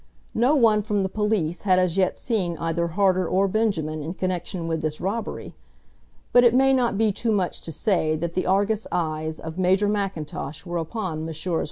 No one from the police had as yet seen either Harter or Benjamin in connexion with this robbery; but it may not be too much to say that the argus eyes of Major Mackintosh were upon Messrs.